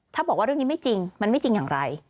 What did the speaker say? ถ้าบอกว่าเรื่องนี้ไม่จริงมันไม่จริงอย่างไร